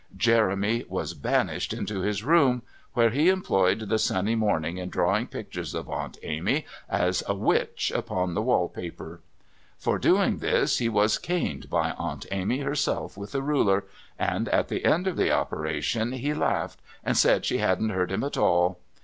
Jeremy was banished into his bedroom, where he employed the sunny morning in drawing pictures of Aunt Amy as a witch upon the wallpaper. For doing this he was caned by Aunt Amy herself with a ruler, and at the end of the operation he laughed and said she hadn't hurt him at all.